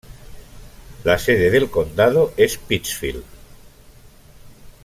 La sede del condado es Pittsfield.